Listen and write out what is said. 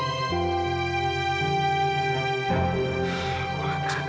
kita bisa ikut terus tuhan